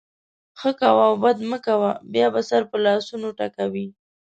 ښه کوه او بد مه کوه؛ بیا به سر په لاسونو ټکوې.